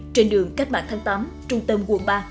trên đường cách mạng tháng tám trung tâm quận ba